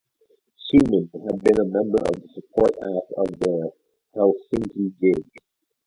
Sumen had been a member of the support act at their Helsinki gig.